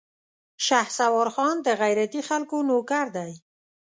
شهسوار خان د غيرتي خلکو نوکر دی.